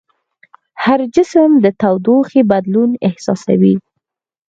هر جسم د تودوخې بدلون احساسوي.